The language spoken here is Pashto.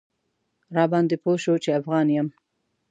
راباندې پوی شو چې افغان یم.